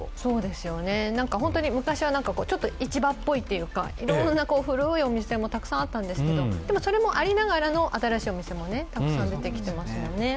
本当に昔はちょっと市場っぽいというか、いろんな古いお店もたくさんあったんですけどそれもありながらの新しいお店もたくさん出てきてますよね。